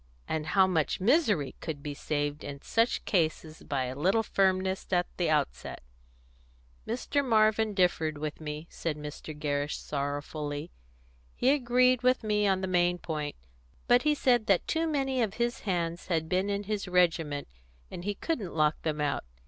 And how much misery could be saved in such cases by a little firmness at the outset!" "Mr. Marvin differed with me," said Mr. Gerrish sorrowfully. "He agreed with me on the main point, but he said that too many of his hands had been in his regiment, and he couldn't lock them out.